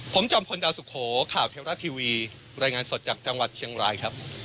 ผมจอมพลดาวสุโขข่าวเทวรัฐทีวีรายงานสดจากจังหวัดเชียงรายครับ